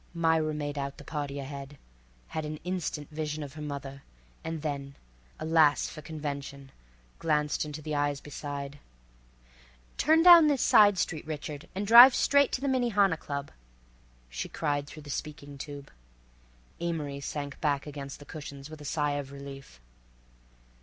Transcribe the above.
Myra made out the party ahead, had an instant vision of her mother, and then—alas for convention—glanced into the eyes beside. "Turn down this side street, Richard, and drive straight to the Minnehaha Club!" she cried through the speaking tube. Amory sank back against the cushions with a sigh of relief.